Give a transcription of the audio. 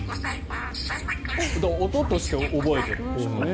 音として覚えているんでしょうね。